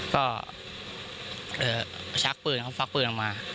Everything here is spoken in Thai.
ก็ชักปืนเขาฟักปืนออกมา